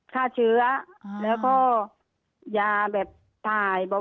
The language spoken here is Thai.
ฆ่าเชื้อแล้วก็อย่าต่าย